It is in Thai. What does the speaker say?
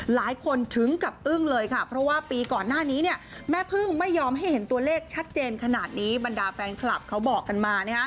หลายคนถึงกับอึ้งเลยค่ะเพราะว่าปีก่อนหน้านี้แม่พึ่งไม่ยอมให้เห็นตัวเลขชัดเจนขนาดนี้บรรดาแฟนคลับเขาบอกกันมา